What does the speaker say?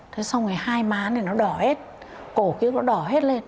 thế xong rồi hai má thì nó đỏ hết cổ kia nó đỏ hết lên